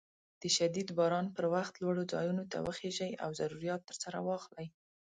د شديد باران پر وخت لوړو ځايونو ته وخېژئ او ضروريات درسره واخلئ.